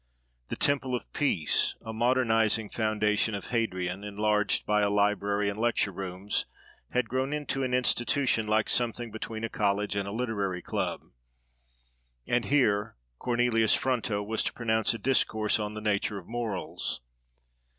The temple of Peace, a "modernising" foundation of Hadrian, enlarged by a library and lecture rooms, had grown into an institution like something between a college and a literary club; and here Cornelius Fronto was to pronounce a discourse on the Nature of Morals.